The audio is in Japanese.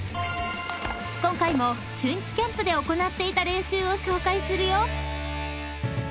［今回も春季キャンプで行っていた練習を紹介するよ］